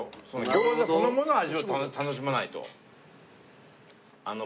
餃子そのものを味わって楽しまないと。